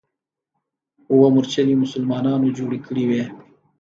اوه مورچلې مسلمانانو جوړې کړې وې.